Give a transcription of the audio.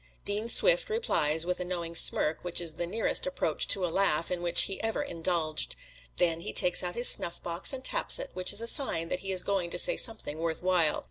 Dean Swift replies with a knowing smirk, which is the nearest approach to a laugh in which he ever indulged. Then he takes out his snuffbox and taps it, which is a sign that he is going to say something worth while.